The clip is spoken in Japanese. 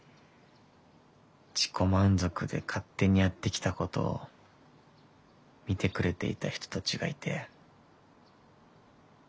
自己満足で勝手にやってきたことを見てくれていた人たちがいて。